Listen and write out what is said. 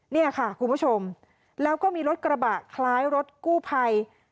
เนี่ยค่ะคุณผู้ชมแล้วก็มีรถกระบะคล้ายรถกู้ภัย